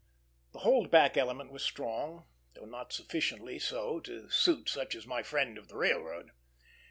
The hold back element was strong, though not sufficiently so to suit such as my friend of the railroad.